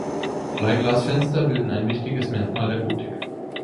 Bleiglasfenster bilden ein wichtiges Merkmal der Gotik.